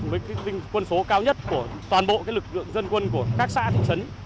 với quân số cao nhất của toàn bộ lực lượng dân quân của các xã thị trấn